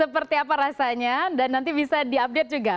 biasanya dan nanti bisa diupdate juga